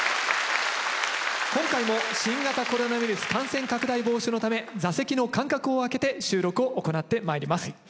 今回も新型コロナウイルス感染拡大防止のため座席の間隔を空けて収録を行ってまいります。